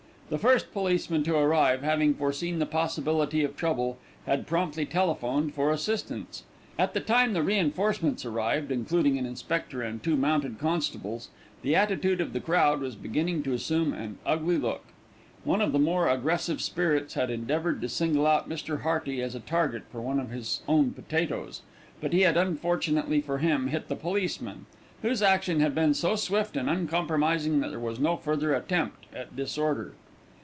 The first policeman to arrive, having foreseen the possibility of trouble, had promptly telephoned for assistance. At the time the reinforcements arrived, including an inspector and two mounted constables, the attitude of the crowd was beginning to assume an ugly look. One of the more aggressive spirits had endeavoured to single out Mr. Hearty as a target for one of his own potatoes; but he had, unfortunately for him, hit the policeman, whose action had been so swift and uncompromising that there was no further attempt at disorder.